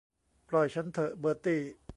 ปล่อยฉันเถอะเบอร์ตี้